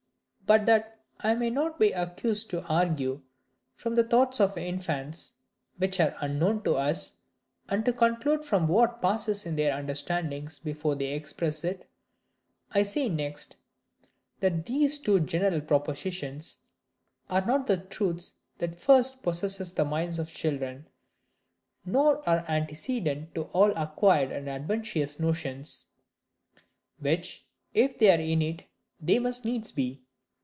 But that I may not be accused to argue from the thoughts of infants, which are unknown to us, and to conclude from what passes in their understandings before they express it; I say next, that these two general propositions are not the truths that first possess the minds of children, nor are antecedent to all acquired and adventitious notions: which, if they were innate, they must needs be.